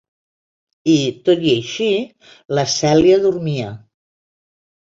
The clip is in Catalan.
I, tot i així, la Celia dormia.